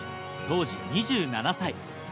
当時２７歳。